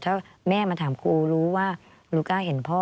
ถ้าแม่มาถามครูรู้ว่าหนูกล้าเห็นพ่อ